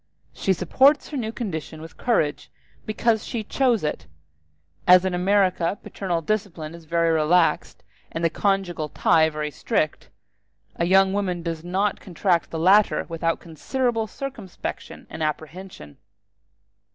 She supports her new condition with courage, because she chose it. As in America paternal discipline is very relaxed and the conjugal tie very strict, a young woman does not contract the latter without considerable circumspection and apprehension.